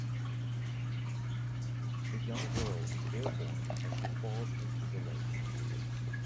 The young girl is airborne as she falls into the lake.